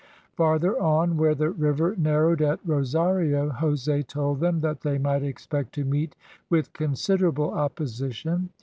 Farther on, where the river narrowed at Rosario, Jose told them that they might expect to meet with considerable opposition.